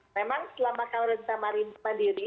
memang selama karantina mandiri